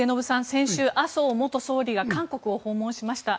先週、麻生元総理が韓国を訪問しました。